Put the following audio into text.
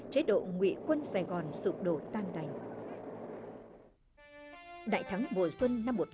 chiến dịch lịch sử